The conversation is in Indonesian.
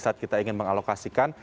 saat kita ingin mengalokasikan